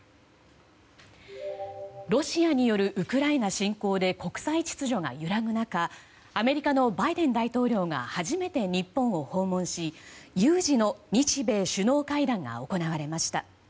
ロシアによるウクライナ侵攻で国際秩序が揺らぐ中アメリカのバイデン大統領が初めて日本を訪問し有事の日米首脳会談が行われました。